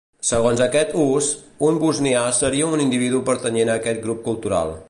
Segons aquest ús, un bosnià seria un individu pertanyent a aquest grup cultural.